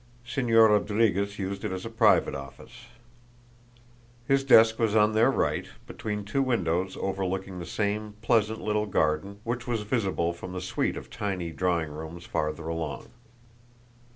Señor Rodriguez used it as a private office. His desk was on their right between two windows overlooking the same pleasant little garden which was visible from the suite of tiny drawing rooms farther along.